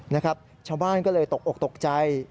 นะครับชาวบ้านก็เลยตกอกตกใจ